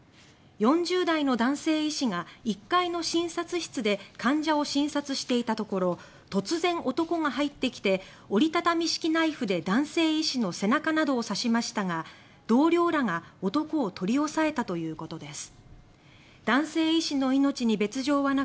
４０代の男性医師が１階の診察室で患者を診察していたところ突然、男が入ってきて折り畳み式ナイフで男性医師の背中などを刺しましたが同僚らが男を取り押さえたということです。